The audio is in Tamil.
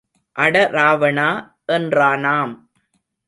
அட ராவணா என்றானாம்.